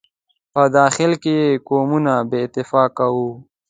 په داخل کې یې قومونه بې اتفاقه وو.